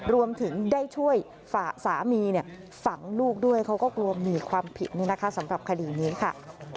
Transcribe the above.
รวมถึงได้ช่วยสามีฝังลูกด้วยเขาก็กลัวมีความผิดสำหรับคดีนี้ค่ะ